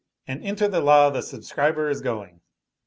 And into the law the subscriber is going.